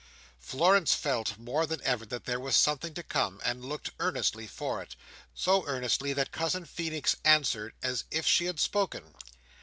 Florence felt, more than ever, that there was something to come; and looked earnestly for it. So earnestly, that Cousin Feenix answered, as if she had spoken.